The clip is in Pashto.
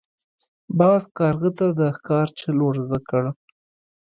باز کارغه ته د ښکار چل ور زده کړ.